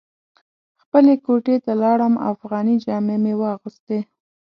خپلې کوټې ته لاړم افغاني جامې مې واغوستې.